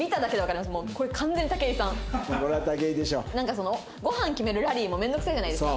なんかそのご飯決めるラリーも面倒くさいじゃないですか。